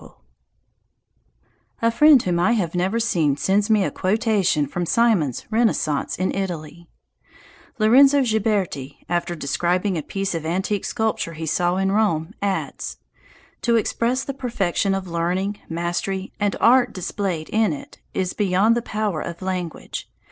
[C] A friend whom I have never seen sends me a quotation from Symonds's "Renaissance in Italy": Lorenzo Ghiberti, after describing a piece of antique sculpture he saw in Rome adds, "To express the perfection of learning, mastery, and art displayed in it is beyond the power of language.